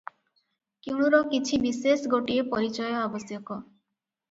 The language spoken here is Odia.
କିଣୁର କିଛି ବିଶେଷ ଗୋଟିଏ ପରିଚୟ ଆବଶ୍ୟକ ।